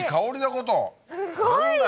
すごいな。